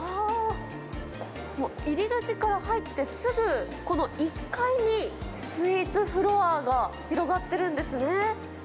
もう入り口から入ってすぐ、この１階にスイーツフロアが広がってるんですね。